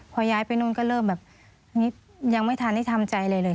พอย้ายไปนู่นก็เริ่มแบบยังไม่ทันได้ทำใจอะไรเลย